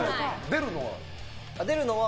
出るのは？